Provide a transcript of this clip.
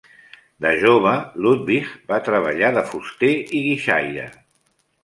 De jove, Ludwig va treballar de fuster i guixaire.